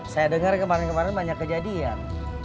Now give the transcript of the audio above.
saya dengar kemarin kemarin banyak kejadian